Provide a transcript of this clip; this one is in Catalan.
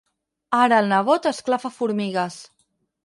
Ara el nebot esclafa formigues.